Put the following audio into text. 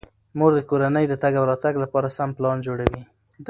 مور د کورنۍ د تګ او راتګ لپاره سم پلان جوړوي.